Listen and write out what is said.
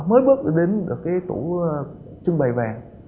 mới bước đến cái tủ trưng bày vàng